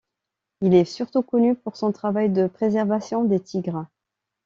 Il est surtout connu pour son travail de préservation des tigres.